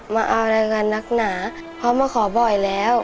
มาเอารายการนักหนาเพราะมาขอบ่อยแล้ว